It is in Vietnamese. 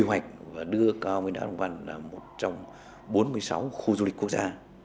kế hoạch và đưa cao nguyên đá đồng văn là một trong bốn mươi sáu khu du lịch quốc gia